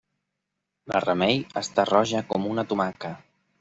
La Remei està roja com una tomaca.